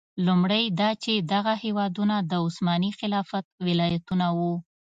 لومړی دا چې دغه هېوادونه د عثماني خلافت ولایتونه وو.